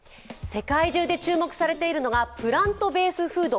世界中で注目されているのがプラントベースフード。